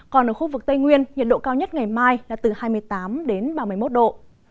còn ở khu vực tây nguyên nhiệt độ cao nhất ngày mai là từ hai mươi tám đến ba mươi một độ